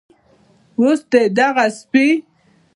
اوس دې دغه سپي